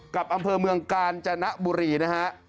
กับอำเภอเมืองกาญจนบุรีนะฮะ